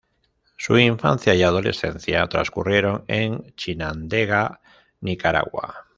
Su infancia y adolescencia transcurrieron en Chinandega, Nicaragua.